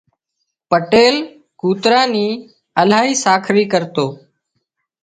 پٽيل ڪوترا ني الاهي ساڪري ڪرتو